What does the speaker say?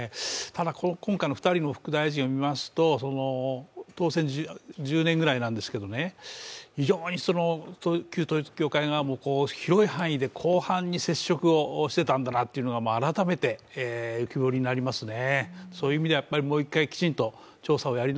ただ、今回の２人の副大臣を見ますと、当選１０年ぐらいなんですけど、非常に旧統一教会側も広い範囲で広範に接触をしてたんだなっていうのが改めて浮き彫りになりますね。